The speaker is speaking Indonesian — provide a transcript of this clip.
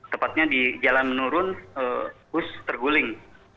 tepatnya di jalan menurun bus terguling